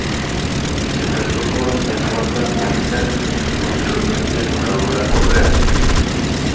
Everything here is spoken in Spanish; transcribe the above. Se casó con Eduarda Mujica, y posteriormente con Aurora Correa.